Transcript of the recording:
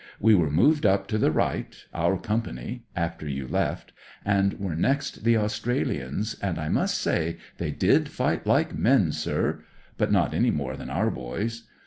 We were moved up to the right — our Company — after you left, and were next the Australians, and I must say they did fight like men, sir; but not any more than our boys.